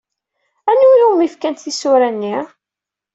Anwa umi fkant tisura-nni?